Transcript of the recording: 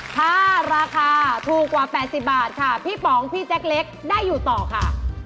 ถ้าราคาถูกกว่า๘๐บาทค่ะพี่ป๋องพี่แจ็คเล็กได้อยู่ต่อค่ะ